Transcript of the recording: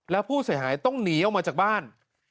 แล้วผู้เสียหายต้องหนีออกมาจากบ้าน